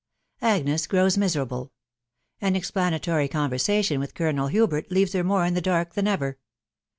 AGNES GROWS MISERABLE. AN EXPLANATORY CONVERSATION WITH COLONEL HUBERT LEAVES HER MORE IN THE DARK THAN EVER.